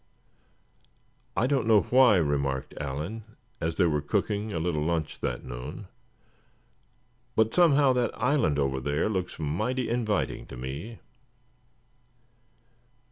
"I don't know why," remarked Allan, as they were cooking a little lunch that noon; "but somehow that island over there looks mighty inviting to me."